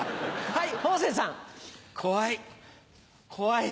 はい。